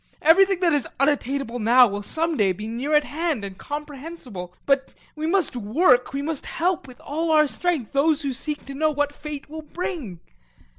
Everything that is unattainable now will some day be near at hand and comprehensible, but we must work, we must help with all our strength those who seek to know what fate will bring.